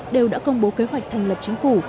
đều đã công bố kế hoạch thành lập chính phủ